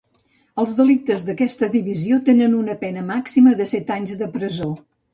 Els delictes d'aquesta divisió tenen una pena màxima de set anys de presó.